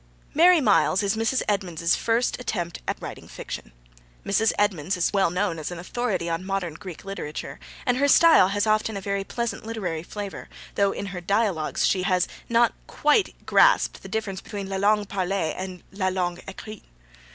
Mary Myles is Mrs. Edmonds's first attempt at writing fiction. Mrs. Edmonds is well known as an authority on modern Greek literature, and her style has often a very pleasant literary flavour, though in her dialogues she has not as yet quite grasped the difference between la langue parlee and la langue ecrite.